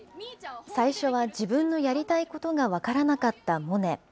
最初は自分のやりたいことが分からなかったモネ。